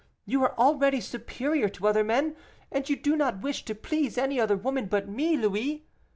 You are already superior to other men, and you do not wish to please any other woman but me, Louis.